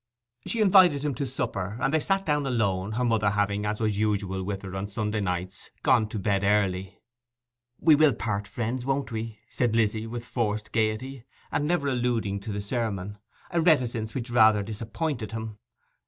She invited him to supper, and they sat down alone, her mother having, as was usual with her on Sunday nights, gone to bed early. 'We will part friends, won't we?' said Lizzy, with forced gaiety, and never alluding to the sermon: a reticence which rather disappointed him.